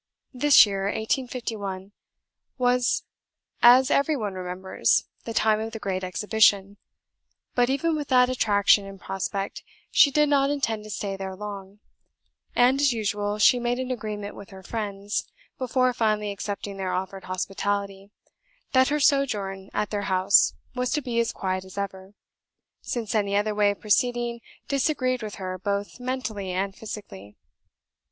This year, 1851, was, as every one remembers, the time of the great Exhibition; but even with that attraction in prospect, she did not intend to stay there long; and, as usual, she made an agreement with her friends, before finally accepting their offered hospitality, that her sojourn at their house was to be as quiet as ever, since any other way of proceeding disagreed with her both mentally and physically.